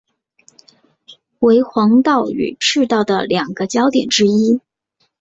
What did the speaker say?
为黄道与赤道的两个交点之一。